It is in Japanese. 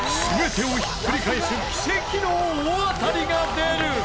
全てをひっくり返す奇跡の大当たりが出る！